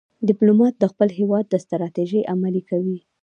ډيپلومات د خپل هېواد ستراتیژۍ عملي کوي.